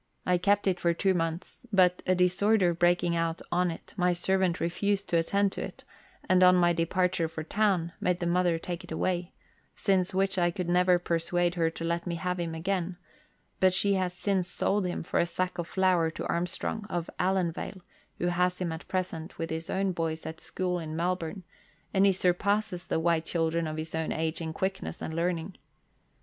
I kept it for two months, but a disorder breaking out on it my servant refused to attend to it, and, on my departure for town, made the mother take it away, since which I could never persuade her to let me have him again, but she has since sold him for a sack of flour to Armstrong, of Allanvale, who has him at present with his own boys at school in Melbourne, and he surpasses the white children of his own age in quickness and learning.